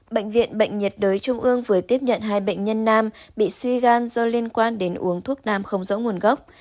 bệnh viện bệnh nhiệt đới trung ương vừa tiếp nhận hai bệnh nhân nam bị suy gan do liên quan đến uống thuốc nam không rõ nguồn gốc